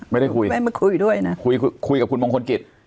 ไม่ได้คุยไม่มาคุยด้วยนะคุยคุยคุยกับคุณมงคลกิจ